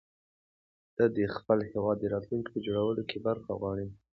ده د خپل هېواد د راتلونکي په جوړولو کې برخه غواړي.